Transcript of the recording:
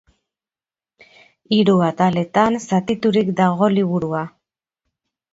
Hiru ataletan zatiturik dago liburua.